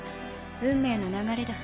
運命の流れだ。